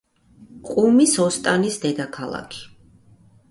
ყუმის ოსტანის დედაქალაქი.